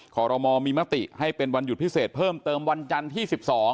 ขอรมอลมีมติให้เป็นวันหยุดพิเศษเพิ่มเติมวันจันทร์ที่๑๒